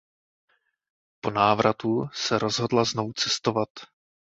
Po návratu se rozhodla znovu cestovat.